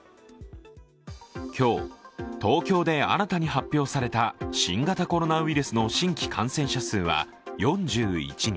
今日、東京で新たに発表された新型コロナウイルスの新規感染者数は４１人。